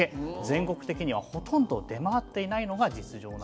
全国的にはほとんど出回っていないのが実情なんです。